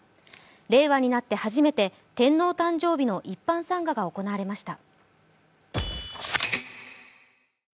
令和になって初めて天皇誕生日の一般参賀が行われました。